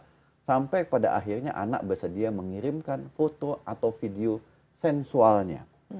nah sampai pada akhirnya anak bersedia mengirimkan foto atau video sensualnya